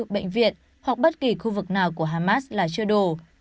bệnh viện hoặc bất kỳ khu vực nào của hamas là chưa đủ